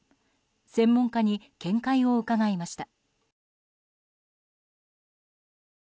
専門家に見解を伺いました。